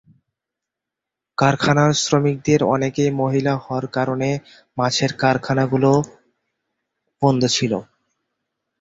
কারখানার শ্রমিকদের অনেকেই মহিলা হওয়ার কারণে মাছের কারখানাগুলি বন্ধ ছিল।